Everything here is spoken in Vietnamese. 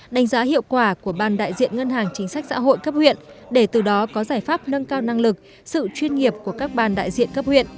đánh giá hiệu quả của ban đại diện ngân hàng chính sách xã hội cấp huyện để từ đó có giải pháp nâng cao năng lực sự chuyên nghiệp của các ban đại diện cấp huyện